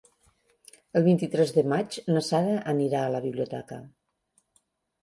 El vint-i-tres de maig na Sara anirà a la biblioteca.